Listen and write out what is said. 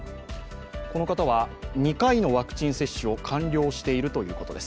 この方は２回のワクチン接種を完了しているということです。